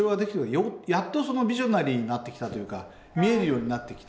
やっとそのビジョナリーになってきたというか見えるようになってきた。